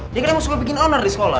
dia kan emang suka bikin honor di sekolah